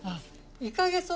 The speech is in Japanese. いかげそ？